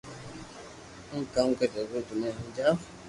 ھون ڪاو ڪري ھگو تو مني ھمجاو